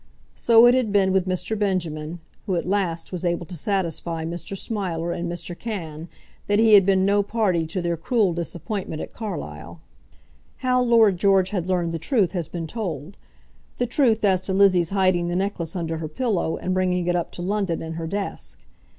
So it had been with Mr. Benjamin, who at last was able to satisfy Mr. Smiler and Mr. Cann that he had been no party to their cruel disappointment at Carlisle. How Lord George had learned the truth has been told; the truth as to Lizzie's hiding the necklace under her pillow and bringing it up to London in her desk.